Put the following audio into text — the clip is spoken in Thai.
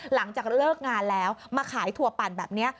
หลังจากเลิกงานแล้วมาขายถั่วปั่นแบบนี้